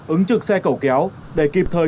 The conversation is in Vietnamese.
ứng trực xe cẩu kéo để kịp thời